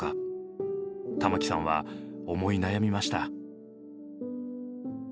玉置さんは思い悩みました。